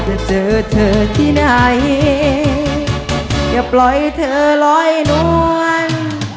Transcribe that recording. จะเจอเธอที่ไหนอย่าปล่อยเธอลอยนวล